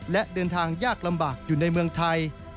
และเดินทางยากลำบากอยู่ในเมืองไทย